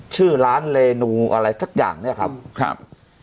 ชื่อล้านเลนูอะไรตักอย่างเนี่ยครับ